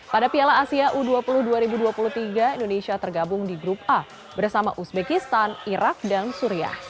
pada piala asia u dua puluh dua ribu dua puluh tiga indonesia tergabung di grup a bersama uzbekistan irak dan suriah